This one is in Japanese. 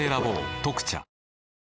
「特茶」